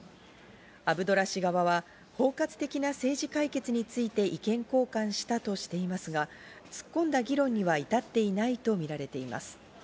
アブドラ氏側は包括的な政治解決について意見交換したとしていますが、突っ込んだ議論には至っていないとみられています。